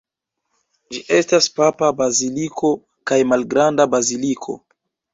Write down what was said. Ĝi estas papa baziliko kaj malgranda baziliko.